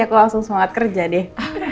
aku langsung semangat kerja deh